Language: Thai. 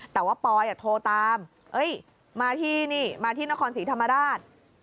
แต่ว่าปอยโทรตามมาที่นี่มาที่นครศรีธรรมราช